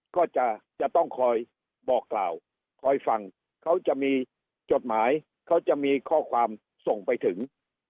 ก็จะต้องคอยบอกกล่าวคอยฟังเขาจะมีจดหมายเขาจะมีข้อความส่งไปถึง